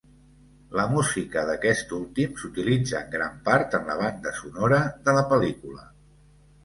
La música d'aquest últim s'utilitza en gran part en la banda sonora de la pel·lícula.